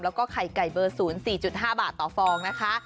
แล้วก็ไข่ไก่เบอร์๐๔๕บาทต่อฟองนะคะ